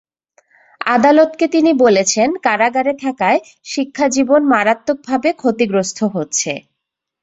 আদালতকে তিনি বলেছেন, কারাগারে থাকায় শিক্ষাজীবন মারাত্মকভাবে ক্ষতিগ্রস্ত হচ্ছে।